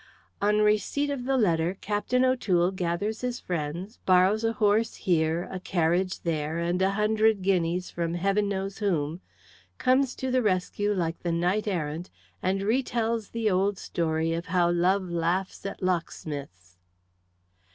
"On the receipt of the letter Captain O'Toole gathers his friends, borrows a horse here, a carriage there, and a hundred guineas from Heaven knows whom, comes to the rescue like a knight errant, and retells the old story of how love laughs at locksmiths."